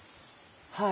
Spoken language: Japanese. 「はい」。